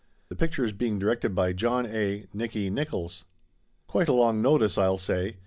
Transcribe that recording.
The picture is being directed by John A. (Nicky) Nickolls. Quite a long notice, I'll say